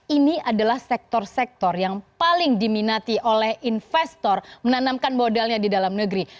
ini adalah sektor sektor yang paling diminati oleh investor menanamkan modalnya di dalam negeri